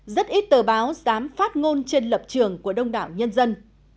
rất ít tờ báo dám phát ngôn trên lập trường của đông đảo nhân dân